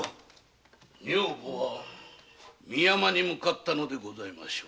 女房は三山に向かったのでございましょう。